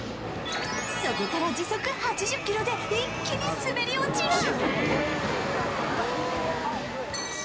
そこから時速８０キロで一気に滑り落ちる。